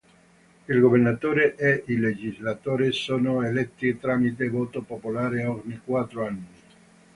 Il governatore e i legislatori sono eletti tramite voto popolare ogni quattro anni.